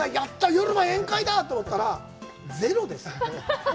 夜も宴会だ！と思ったら、ゼロですよ。